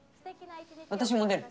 私も出る。